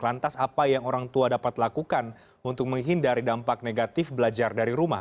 lantas apa yang orang tua dapat lakukan untuk menghindari dampak negatif belajar dari rumah